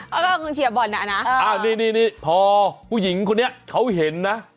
เขาก็คงเฉียบบอลน่ะนะนี่พอผู้หญิงคนนี้เขาเห็นนะ